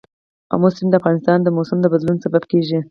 آمو سیند د افغانستان د موسم د بدلون سبب کېږي.